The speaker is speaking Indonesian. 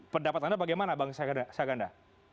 pendapat anda bagaimana bang saganda